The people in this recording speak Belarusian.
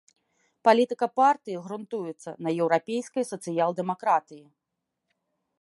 Палітыка партыі грунтуецца на еўрапейскай сацыял-дэмакратыі.